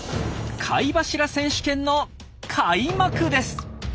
貝柱選手権の開幕です！